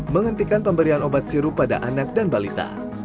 menghentikan pemberian obat sirup pada anak dan balita